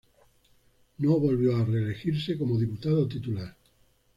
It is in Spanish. No volvió a reelegirse como diputado titular.